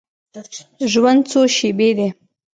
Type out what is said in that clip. ژوند څو شیبې دی.